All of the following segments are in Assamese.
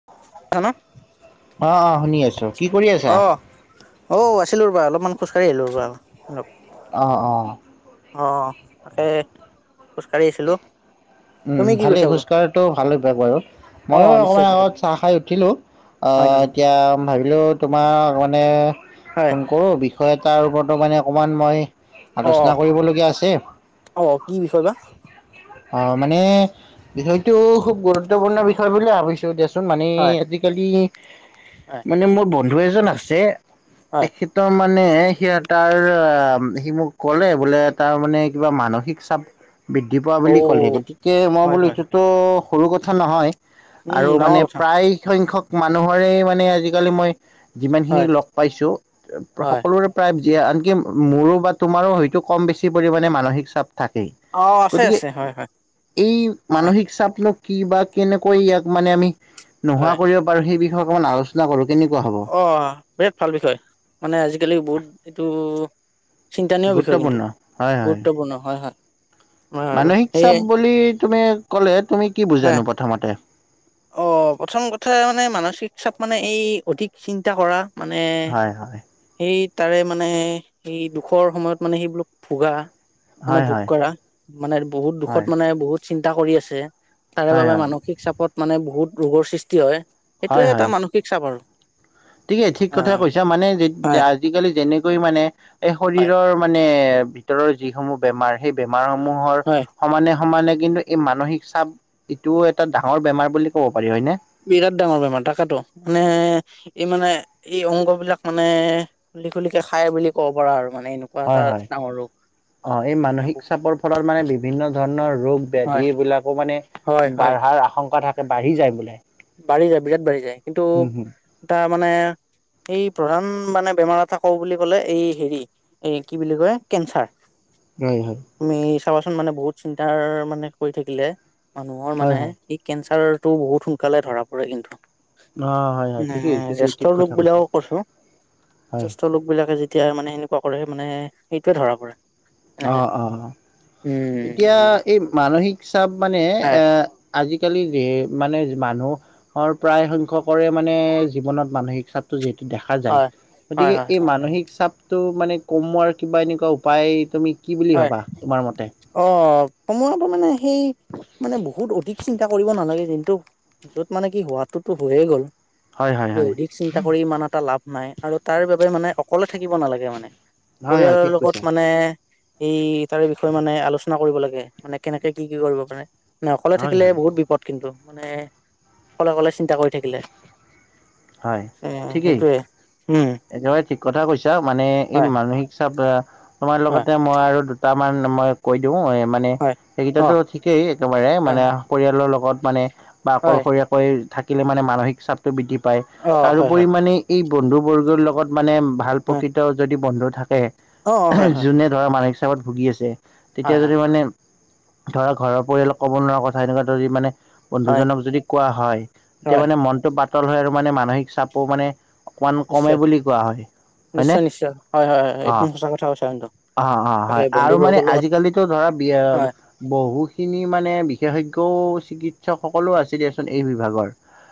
[unintelligible] অ অ শুনি আছো কি কৰি আছা অঁ, আছিলো ৰবা অলপমান খোজকাঢ়ি আহিলোঁ ৰবা অলপ অঁ-অঁ অ, অ তাকে খোজ কাঢ়ি আছিলো উম, ভালেই খোজ কাঢ়াটো ভালেই বাৰু অ মইও অকমান নিশ্চয় আগত তাকেতো চাহ খাই উঠিলো অ হয় নেকি এতিয়া ভাবিলো তোমাক মানে হয় ফোন কৰোঁ বিষয় এটাৰ ওপৰতো মানে অকণমান মই অ আলোচনা কৰিবলগীয়া আছে অ কি বিষয় বা অ মানে বিষয়টো খুব গুৰুত্বপূৰ্ণ বিষয় বুলি ভাবিছো দিয়াচোন মানে আজি আজিকালি আ মানে মোৰ বন্ধু এজন আছে হয় তেখেত ত মানে সি তাৰ সি মোক ক'লে বোলে তাৰ মানে কিবা মানসিক চাপ বৃদ্ধি পোৱা অ বুলি ক'লে গতিকে মই হয় বোলো হয় হয়। এইটোতো সৰু কথা নহয় উম আৰু ডাঙৰ মানে কথা প্ৰায় সংখ্যক মানুহৰে মানে আজিকালি মই যিমান খিনি হয় লগ পাইছো হয় সকলোৰে প্ৰায় আনকি মোৰো বা তোমাৰো হয়তো কম বেছি পৰিমাণে মানসিক চাপ থাকেই অ আছে আছে হয় হয় ই হয় মানসিক চাপনো কি বা কেনেকৈ ইয়াক মানে আমি নোহোৱা হয় কৰিব বাৰু সেই বিষয়ে অকমান আলোচনা কৰো কেনেকুৱা হব অ বিৰাট ভাল বিষয় মানে আজিকালি বহুত এইটো চিন্তানীয় বিষয় কিন্তু গুৰুত্বপূৰ্ণ হয় হয় গুৰুত্বপূৰ্ণ হয় হয় হয় আৰু মানসিক সেয়ে চাপ বুলি তুমি ক'লে তুমি কি হ বুজানো প্ৰথমতে অ প্ৰথম কথা মানে মানসিক চাপ মানে এই অধিক চিন্তা কৰা মানে হয় হয় সেই তাৰে মানে সেই দুখৰ সময়ত মানে সেইবিলাক ভোগা মানে হয় ভোগ হয় কৰা মানে বহুত দুখত হয় মানে বহুত চিন্তা কৰি আছে তাৰে হয় বাবে হয় মানসিক চাপত মানে বহুত ৰোগৰ সৃষ্টি হয় সেইটোৱে এটা মানসিক চাপ আৰু ঠিকে ঠিক অ কথা কৈছা মানে যে হয় আজিকালি যেনেকৈ মানে এই হয় শৰীৰৰ মানে ভিতৰৰ যিসমূহ বেমাৰ সেই বেমাৰ সমূহৰ হয় সমানে-সমানে কিন্তু এই মানসিক চাপ ইটোও এটা ডাঙৰ বেমাৰ বুলি ক'ব পাৰি হয়নে? বিৰাট ডাঙৰ বেমাৰ তাকে ত মানে ই মানে ই অংগ বিলাক মানে খুলি খুলিকে খাই বুলি ক'ব পাৰা আৰু মানে এনেকুৱা হয় এটা হয় ডাঙৰ ৰোগ অ এই মানে মানসিক চাপৰ ফলত মানে বিভিন্ন ধৰণৰ ৰোগ হয় ব্যাধি এইবিলাকো মানে হয় হয় বাঢ়াৰ আশংকা থাকে বাঢ়ি যায় বোলে। বাঢ়ি যায় বিৰাট বাঢ়ি যায় কিন্তু উম হম এটা মানে এই প্ৰধান মানে বেমাৰ এটা কওঁ বুলি ক'লে এই হেৰি এই কি বুলি কয় কেঞ্চাৰ হয় হয় তুমি চাবাচোন মানে বহুত চিন্তাৰ মানে কৰি থাকিলে মানুহৰ হয় মানে হয় সেই কেঞ্চাৰতো বহুত সোনকালে ধৰা পৰে কিন্তু অ', হয়, হয়, নে ঠিকেই, ঠিকেই, ঠিক জেষ্ঠ্য লোক কথা কৈছা, বিলাকক কৈছো হয়, জ্যেষ্ঠ লোক বিলাকে যেত এতিয়া মানে সেনুকা কৰে মানে এইটোৱে ধৰা পৰে অ এনেকে অ উম এতিয়া এই মানসিক চাপ মানে হয় এ আজিকালি যিহে মানে মানুহৰ প্ৰায় সংখ্যকৰে মানে জীৱনত মানসিক চাপ তো' যিহেতু দেখা যায় হয় হয় গতিকে হয় এই মানসিক চাপ তোৰ মানে কমোৱাৰ কিবা এনেকুৱা উপায় তুমি কি বুলি হয় ভাবা তোমাৰ মতে? অ ', কমোৱাটো মানে সেই মানে বহুত অধিক চিন্তা কৰিব নালাগে কিন্তু য'ত মানে কি হোৱাটোতো হৈয়ে গ'ল হয়, হয়, ত' হয়, অধিক চিন্তা কৰি ইমান এটা লাভ নাই আৰু তাৰ বাবে মানে অকলে থাকিব নালাগে মানে হয়, হয়, পৰিয়ালৰ ঠিক লগত কৈছা, মানে এই তাৰে বিষয়ে মানে আলোচনা কৰিব লাগে মানে কেনেকে কি কি কৰিব পাৰে না অকলে হয়, থাকিলে হয়, বহুত বিপদ কিন্তু মানে অকলে-অকলে চিন্তা কৰি থাকিলে। হয় এ ঠিকেই সেইটোয়ে উম একেবাৰে ঠিক কথা কৈছ মানে এই হয় মানসিক চাপ এ তোমাৰ হয় লগতে মই আৰু দুটামান মই কৈ দিও এ মানে হয় অ সেইকেইটাতো ঠিকেই একেবাৰে হয় মানে পৰিয়ালৰ লগত মানে বা হয় অকলশৰীয়াকৈ থাকিলে মানে মানসিক চাপটো বৃদ্ধি পায় অ হয় হয় তাৰোপৰি মানে এই বন্ধু বৰ্গৰ লগত মানে ভাল হয় প্ৰকৃত যদি বন্ধু থাকে অ অ হয় হয় যোনে ধৰা মানসিক চাপত ভুগি আছে তেতিয়া হয় হয় যদি মানে ধৰা ঘৰৰ পৰিয়ালক ক'ব নোৱাৰা কথা সেনেকুৱা তই যদি মানে হয় বন্ধুজনক যদি কোৱা হয় তেতিয়া হয় মানে মনটো পাতল হয় আৰু মানে মানসিক চাপো মানে অকমান কমে নিশ্চয় বুলি কোৱা হয় হয়নে নিশ্চয় নিশ্চয় হয় হয় হয় অ একদম সঁচা কথা কৈছা কিন্তু অ অ তাকে হয় আৰু মানে বন্ধুবৰ্গৰ লগত আজিকালিতো ধৰা বিয়ে হয় বহুখিনি মানে বিশেষজ্ঞও চিকিৎসক সকলো আছে দিয়াচোন এই বিভাগৰ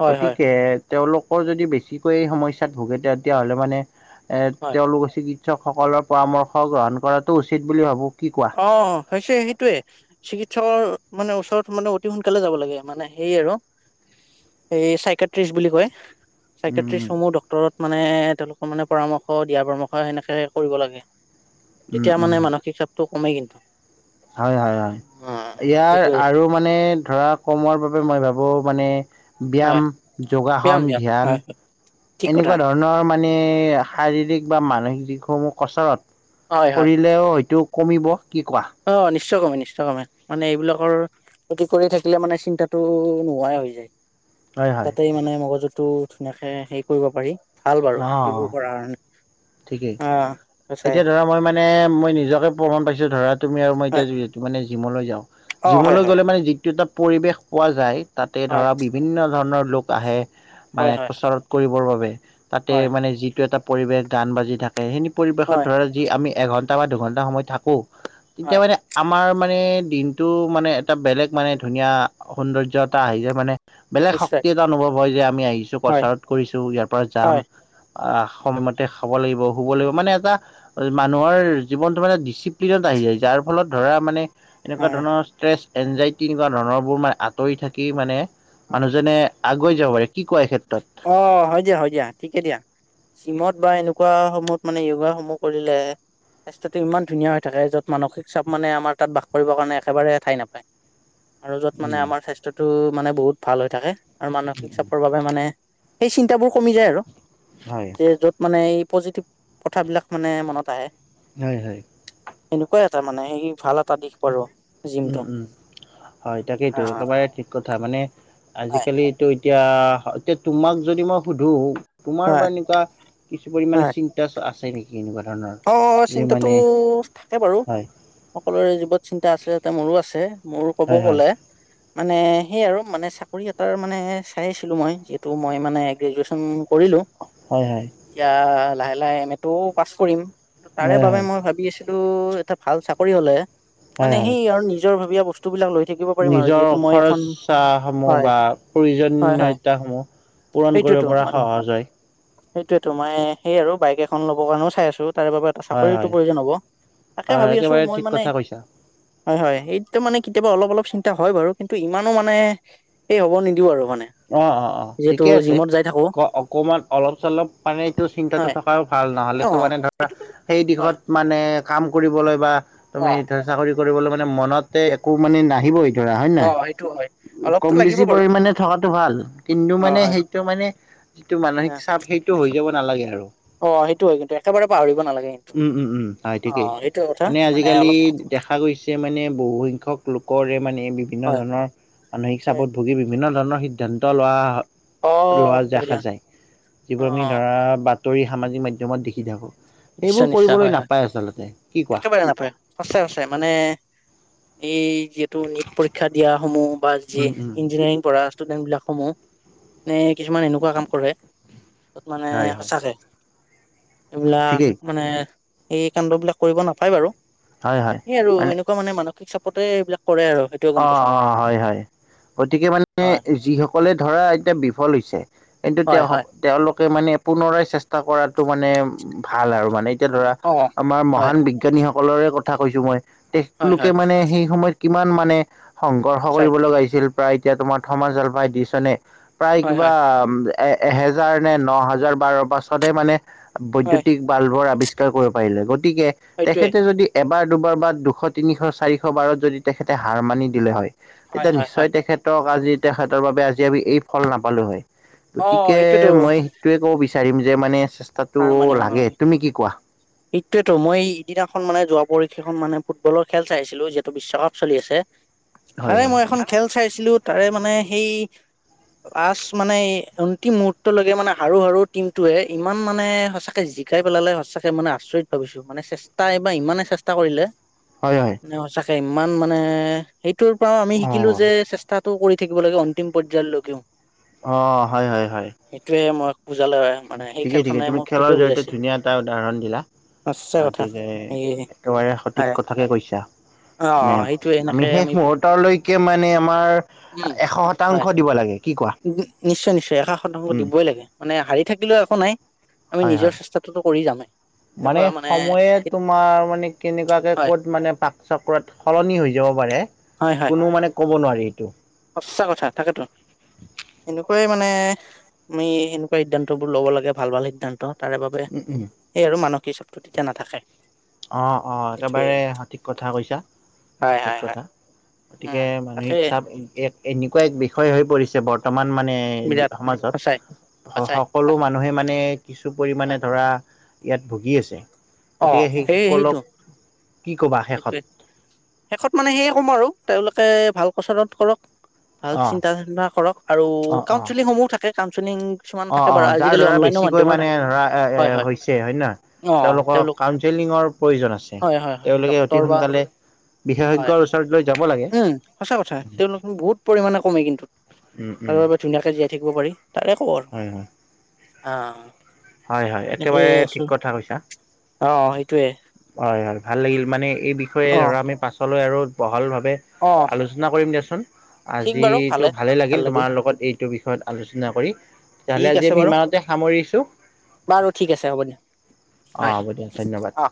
হয় হয় গতিকে তেওঁলোকৰ যদি বেছিকৈ এই সমস্যাত ভোগে তেতিয়াহ'লে মানে এ হয় তেওঁলোকৰ চিকিৎসকসকলৰ পৰামৰ্শ গ্ৰহণ কৰাটো উচিত বুলি ভাবো কি কোৱা অ', হৈছে সেইটোয়ে চিকিৎসকৰ মানে ওচৰত মানে অতি সোনকালে যাব লাগে মানে সেই আৰু এই চাইকেত্ৰিশ বুলি কয় উম চাইকেট্ৰিছসমূহ ডক্টৰত মানে তেওঁলোকৰ মানে পৰামৰ্শ দিয়া পৰামৰ্শ সেনেকে কৰিব লাগে উম তেতিয়া উম মানে মানসিক চাপটো কমেগে হয় হয় হয় ইয়াৰ সেইটোয়ে আৰু মানে ধৰা কমোৱাৰ বাবে মই ভাবো মানে ব্যায়াম, হয় ব্যায়াম যোগাসন, ব্যায়াম ধ্যান হয় হয় ঠিক কথা এনেকুৱা ধৰণ নহয় মানে শাৰীৰিক বা মানসিক যিসমূহ কচৰত হয় হয় কৰিলেও হয়তো কমিব কি কোৱা? অ নিশ্চয় কমে নিশ্চয় কমে মানে এইবিলাকৰ [unintelligible] কৰি থাকিলে মানে চিন্তাটো নোহোৱাই হৈ যায় হয় হয় তাতেই মানে মগজুতটো ধুনীয়াকে হেৰি কৰিব পাৰি। ভাল বাৰু অ অ এইবোৰ কৰা কাৰনে। ঠিকেই, এতিয়া ধৰা মই মানে মই নিজকে প্ৰমাণ পাইছো ধৰা তুমি আৰু মই হয় এতিয়া যিহেতু মানে জিমলৈ যাওঁ অ হয় জিমলৈ হয় গ'লে মানে যিটো এটা পৰিৱেশ পোৱা যায় তাতে হয়, ধৰা বিভিন্ন ধৰণৰ লোক আহে। মানে হয়, হয়, কচাৰত কৰিবৰ বাবে তাতে হয়, মানে যিটো এটা পৰিৱেশ গান বাজি থা এইখিনি পৰিৱেশত হয়, ধৰা যি আমি এঘণ্টা বা দুঘণ্টা সময় থাকোঁ তেতিয়া হয়, মানে আমাৰ মানে দিনটো মানে এটা বেলেগ মানে ধুনীয়া সৌন্দৰ্য এটা আহি যায় মানে বেলেগ নিশ্চয়, শক্তি এটা অনুভৱ হয় যে আমি আহিছোঁ হয়, কছাৰত কৰিছো ইয়াৰ পৰা যাম হয়, আহ অ', সময়মতে খাব লাগিব শুব লাগিব মানে এটা মানুহৰ জীৱনটো মানে ডিচিপ্লিনত আহি যায়, যাৰ ফলত ধৰা মানে এনেকুৱা হয়, ধৰণৰ ষ্ট্ৰেছ এনজাইটি কিবা ধৰণৰবোৰ মানে আঁতৰি থাকি মানে হয়, মানুহজনে আগুৱাই যাব পাৰে, কি কোৱা এই ক্ষেত্ৰত? অ হয় দিয়া হৈ দিয়া ঠিকে দিয়া। জিমত বা এনেকুৱা সমূহত মানে য়োগা সমূহ কৰিলে স্বাস্থ্যটো ইমান ধুনীয়া হৈ থাকে য'ত মানসিক চাপ মানে আমাৰ তাত বাস কৰিবৰ কাৰণে একেবাৰে ঠাই নাপায়। আৰু যত মানে উম আমাৰ স্বাস্থটো মানে বহুত ভাল হৈ থাকে আৰু মানসিক উম চাপৰ বাবে মানে সেই চিন্তাবোৰ কমি যায় আৰু। হয়। যে য'ত মানে এই পজিটিভ কথাবলাক মানে মনত আহে। হয় হয়। এনেকুৱা তামানে সেই খিনি ভালা উম-উম হয় তাকেইতো একেবাৰে ঠিক কথা মানে হয়, আজিকালিতো এতিয়া এতিয়া তোমাক যদি মই সুধোঁ তোমাৰ বা হয়, এনেকুৱা কিছু হয়। পৰিমাণে চিন্তা আছে নেকি এনেকুৱা ধৰণৰ? অ যি চিন্তাটো মানে থাকে বাৰু। হয় সকলোৰে জীৱত চিন্তা আছে যাতে মোৰো আছে মোৰো ক'ব হয় গ'লে [inaudible] মানে সেয় আৰু মানে চাকৰি এটাৰ মানে চাই আছিলোঁ মই যিহেতু মই মানে গ্ৰেজুয়েচন কৰিলোঁ। হয় হয়। এতিয়া লাহে লাহে এম এ টোও পাছ কৰিম, তাৰে হয় বাবে হয় মই ভাবি আছো তু এটা ভাল চাকৰি হলে, হয় মানে হয় সেই আৰু নিজৰ ববীয়া ব নিজৰ খৰচা সমূহ হয়, বা হয়, হয় প্ৰয়োজনীয়তা সমূহ পূৰণ কৰিব পৰা সহজ হয়। সেইটোৱেটো মই সেই আৰু বাইক এখন ল'বৰ কাৰণেও চাই আছো তাৰে বাবে হয় চাকৰিওটো হয় প্ৰয়োজন হ'ব তাকে হয় ভাবি আছো একেবাৰে মই ঠিক মানে কথা কৈছা হয় হয় এইটো মানে কেতিয়াবা অলপ অলপ চিন্তা হয় বাৰু কিন্তু ইমানো মানে সেই হ'ব নিদিওঁ আৰু মানে। অ অ অ যিহেতু ঠিকে আছে। জিমত যাই থাকো অ অকমান অলপ চলপ মানে এইটো চিন্তাটো হয় থকাও ভাল নহ'লে অ তো মানে ধৰ এইটোতো সেই হয় দিশত মানে কাম কৰিবলৈ বা অ তুমি ধ চাকৰি কৰিবলৈ মানে মনতে একো মানে নাহিব ধৰা হয় অ নয় সেইটো হয় অলপতো লাগিব কম-বেছি বাৰু পৰিমানে থকা ভাল কিন্তু অ মানে হয় সেইটো মানে যিটো মানসিক চাপ সেইটো হৈ যাব নালাগে আৰু অ সেইটো হয় কিন্তু একেবাৰে পাহৰিব নালাগে কিন্তু উম উম উম হয় অ ঠিকেই সেইটো কথা মানে আজিকালি অলপ থাকিব দেখা গৈছ ছে মানে বহু সংখ্যক লোকৰে মানে বিভিন্ন হয় ধৰণৰ মানসিক হয় চাপত ভুগি বিভিন্ন ধৰণৰ সি সিদ্ধান্ত লোৱা অ লোৱা হয় দেখা দিয়া যায় অ যিবোৰ আমি ধৰা বা ধৰি সামাজিক মাধ্যমত দেখি থাকোঁ এইবোৰ নিশ্চয় নিশ্চয় কৰিবলৈ হয় হয় নাপায় আচলতে কি কোৱা একেবাৰে নাপায় সঁচাই সঁচাই মানে এই যে টো নিট পৰীক্ষা দিয়া সমূহ বা যি উম, উম, ইঞ্জিনিয়াৰিং কৰা ষ্টুডেন্ট বিলাক সমূহ নে কিছুমান এনেকুৱা কাম কৰে মানে হয়, হয় সঁচাকে এইবিলাক ঠিকেই মানে এই কাণ্ডবিলাক কৰিব নাপায় বাৰু হয় হয় সে আৰু এনেকুৱা মানে মানসিক চাপতে এইবিলাক কৰে আৰু সেইটোয়ে গম অ পাইছো মই অ হয় হয় গতিকে মানে হয় যিসকলে ধৰা এতিয়া বিফল হৈছে কিন্তু হয় তেওঁ হয় তেওঁলোকে মানে পুনৰাই চেষ্টা কৰাটো মানে ভাল আৰু মানে এতিয়া ধৰা অ আমাৰ হয় মহান বিজ্ঞানী সকলৰে কথা কৈছো মই হয় তেলোকে হয় মানে সেই সময়ত কিমান মানে সংঘৰ্ষৰ সঁচাই কৰিব লগা হৈছিল প্ৰায় এতিয়া তোমাৰ থমাজল পাই দিচনে প্ৰায় হয় কিবা হয় এ এহেজাৰ নে ন হাজাৰ বাৰৰ পাছতহে মানে হয় বৈদ্যুতিক বাল্বৰ আৱিষ্কাৰ কৰিব পাৰিলে গতিকে সেইটোৱে তেখেতে যদি এবাৰ দুবাৰ বা দুশ তিনিশ চাৰিশ বাৰত যদি তেখেতে হাৰ মানি দিলে হয় হয় তেতিয়া হয় হয় নিশ্চয় তেখেতক আজি তেখেতৰ বাবে আজি আমি এই ফল নাপালো হয়। অ গতিকে সেইটোৱেতো মই সেইটোৱে কব বিচাৰিম যে মানে চেষ্টাটো হাৰ মানিব লাগে, নালাগে তুমি কি কোৱা? সেইটোৱেতো মই ইদিনাখন মানে যোৱা পৰহি খন মানে ফুটবলৰ খেল চাইছিলো যিহেতু বিশ্বকাপ চলি আছে [inaudible] মানে হয়। মই এখন খেল চাইছিলো তাৰে মানে সেই লাষ্ট মানে অন্তিম মুহুৰ্তলৈকে মানে সাৰু সাৰু টিমটোৱে ইমান মানে সঁচাকে জিক কাই পেলালে সঁচাকে মানে আচৰিত ভাবিছো মানে চেষ্টা এইবাৰ ইমানেই চেষ্টা কৰিলে হয় হয় মানে সঁচাকে ইমান মানে সেইটোৰ পৰাও আমি শিকিলো অ', যে চে ষ্টাতো কৰি থাকিব লাগে অন্তিম পৰ্যায়লৈকেও অ অ হয় হয় হয় সেইটোৱে মোক বুজালে মানে সেই খেলখনে মোক সেইটোৱে বুজাইছে দুটা উদাহৰণ দিলা সঁচা কথা গতিকে এই একেবাৰে সঠিক হয় কথাকে কৈছা অ মানে সেইটোৱে আমি এনেকে শেষ মুহূৰ্তলৈকে মানে আমাৰ উম এশ হয় শতাংশ দিব লাগে কি কোৱা নিশ্চয় নিশ্চয় এশ শতাংশ উম, দিবই লাগে, মানে হাৰি থাকিলেও একো নাই আমি হয় নিজৰ হয়। চেষ্টা টোতু কৰি যামে মানে সময়ে তোমাৰ মানে কেনেকুৱাকে হয় ক'ত মানে পাক চক্ৰত সলনি হৈ যাব পাৰে হয় হয় কোনো মানে ক'ব নোৱাৰি এইটো সঁচা কথা তাকেটোন এনেকুৱাই মানে আমি সেনেকুৱা সিদ্ধান্তবোৰ ল'ব লাগে ভাল-ভাল সিদ্ধান্ত তাৰে বাবে, উম, উম। এই আৰু মানসিক চাতটো তেতিয়া নাথাকে। অঁ', অ', এইটোৱে একেবাৰে সঠিক কথা কৈছা। হয় ঠিক হয় হয় কথা, গতিকে উম তাকে মানুহিক চাপ এক এনেকুৱা এক বিষয় হৈ পৰিছে বৰ্তমান মানে বিৰাট সমাজত, সঁচাই সঁচাই সকলো তাকে মানুহে। মানে কিছু পৰিমাণে হয় ধৰা ইয়াত ভুগি আছে। অ, গতিকে সেই সেইসকলক সেইটো। কি ক'বা শেষত? সেইটোৱে শেষত মানে সেয়ে ক'ম আৰু তেওঁলোকে ভাল কচৰত কৰক। ভাল অ', চিন্তা [unintelligible] কৰক আৰু অ', অ'। কাউন্সেলিং সমূহ থাকে কাউনচেলিং। অ অ যাৰ ধৰা বেছিকৈ মানে ধৰা এ এ হৈছে হয় নে নহয়। অ তেওঁলোকক তেওঁলোক কাউন্সিলিঙৰ প্ৰয়োজন আছে, হয় হয় হয় তেওঁলোকে ডক্তৰ অতি বা সোনকালে হয় বিশেষজ্ঞৰ লৈ যাব লাগে। উম সঁচা কথা তেওঁলোক বহুত পৰিমাণে কমে কিন্তু, উম, উম, তাৰ বাবে ধুনীয়াকে জীয়াই থাকিব পাৰি। তাৰে খবৰ, হয়, হয়। আহ। হয় হয় এনেকেই একেবাৰে আছো ঠিক কথা কৈছা। অ সেইটোয়ে। হয় হয় ভাল লাগিল মানে এই বিষয়ে অ ধৰা আমি পাছলৈ আৰু বহল ভাৱে অ আলোচনা কৰিম দিয়াচোন ঠিক বাৰু আজো ভালে ভাল লাগিল তোমাৰ লগত এই সটো বিষয়ত আলোচনা কৰি তেতিয়াহ'লে ঠিক আজি আছে আমি বাৰু ইমানতে সামৰিছোঁ। বাৰু ঠিক আছে হ'ব দিয়া। অ হয় হ'ব দিয়া ধন্যবাদ। অ